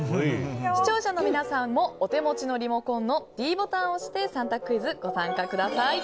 視聴者の皆さんもお手持ちのリモコンのｄボタンを押して３択クイズ、ご参加ください。